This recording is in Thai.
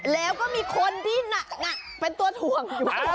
แล้วก็มีคนที่หนักเป็นตัวถ่วง